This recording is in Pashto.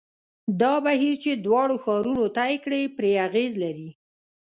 دا بهیر چې دواړو ښارونو طی کړې پرې اغېز لري.